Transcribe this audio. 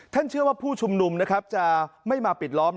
ท่านเชื่อว่าผู้ชูมนุมจะไม่มาปิดล้อม